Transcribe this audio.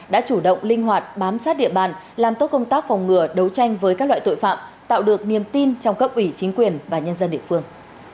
đã chủ động linh hoạt bám sát địa bàn làm tốt công tác phòng ngừa đấu tranh với các loại tội phạm tạo được niềm tin trong cấp ủy chính quyền và nhân dân địa phương